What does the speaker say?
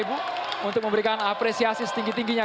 untuk memberikan apresiasi setinggi tingginya